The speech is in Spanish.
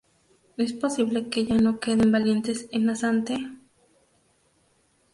Es posible que ya no queden valientes en Asante?